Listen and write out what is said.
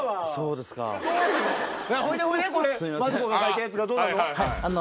マツコの書いたやつがどうなんの？